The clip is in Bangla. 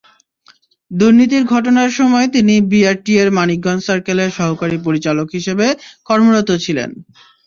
দুর্নীতির ঘটনার সময় তিনি বিআরটিএর মানিকগঞ্জ সার্কেলের সহকারী পরিচালক হিসেবে কর্মরত ছিলেন।